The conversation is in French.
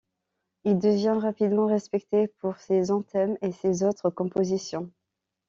Il devient rapidement respecté pour ses anthems et ses autres compositions.